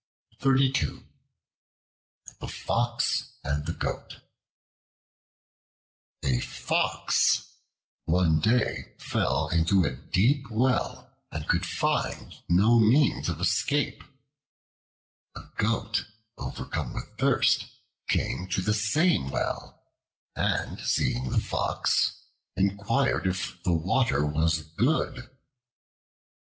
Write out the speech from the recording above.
The Fox and the Goat A FOX one day fell into a deep well and could find no means of escape. A Goat, overcome with thirst, came to the same well, and seeing the Fox, inquired if the water was good.